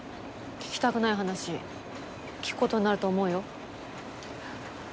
聞きたくない話聞く事になると思うよ。